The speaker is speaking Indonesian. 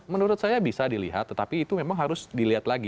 menurut saya bisa dilihat tetapi itu memang harus dilihat lagi